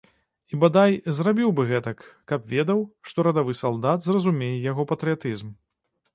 І, бадай, зрабіў бы гэтак, каб ведаў, што радавы салдат зразумее яго патрыятызм.